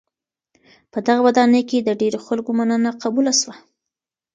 په دغه ودانۍ کي د ډېرو خلکو مننه قبوله سوه.